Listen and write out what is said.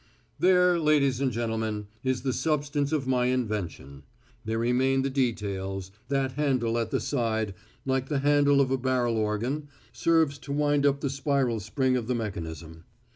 "There, ladies and gentlemen, is the substance of my invention. There remain the details. That handle at the side, like the handle of a barrel organ, serves to wind up the spiral spring of the mechanism.